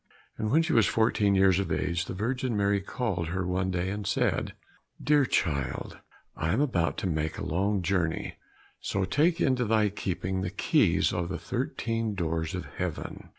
And when she was fourteen years of age, the Virgin Mary called her one day and said, "Dear child, I am about to make a long journey, so take into thy keeping the keys of the thirteen doors of heaven.